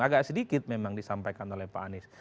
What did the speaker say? agak sedikit memang disampaikan oleh pak anies